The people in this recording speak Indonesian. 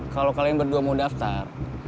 kalau kalian berdua mau daftar